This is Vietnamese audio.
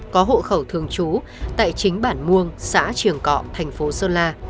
có hộ khẩu thương chú tại chính bản muông xã triều cọ thành phố sơn la